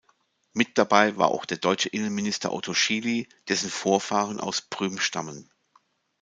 Mit dabei war auch der deutsche Innenminister Otto Schily, dessen Vorfahren aus Prüm stammen.